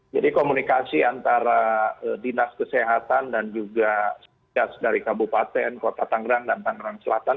jadi komunikasi antara dinas kesehatan dan juga sejajar dari kabupaten kota tangerang dan tangerang selatan